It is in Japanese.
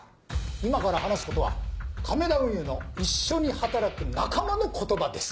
今から話すことは亀田運輸の一緒に働く仲間の言葉です。